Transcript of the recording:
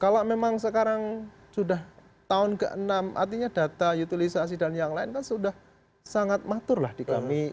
kalau memang sekarang sudah tahun ke enam artinya data utilisasi dan yang lain kan sudah sangat matur lah di kami